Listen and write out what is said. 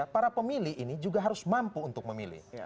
para pemilih ini juga harus mampu untuk memilih